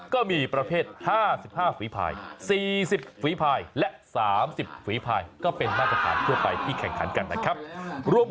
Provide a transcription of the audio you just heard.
ก็มีประเภท๕๕ฝีภาย๔๐ฝีภายและ๓๐ฝีภายก็เป็นมาตรฐานทั่วไปที่แข่งขันกันนะครับ